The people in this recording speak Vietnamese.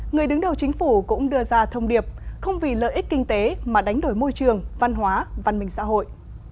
người đứng đầu chính phủ cũng đưa ra thông điệp không vì lợi ích kinh tế mà đánh đổi môi trường văn hóa văn minh xã hội